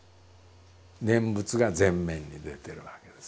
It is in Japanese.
念仏が前面に出てるわけですよ。